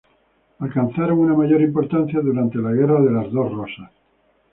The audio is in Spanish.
Alcanzaron una mayor importancia durante la Guerra de las Dos Rosas.